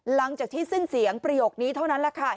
หลังจากที่สิ้นเสียงประโยคนี้เท่านั้นแหละค่ะ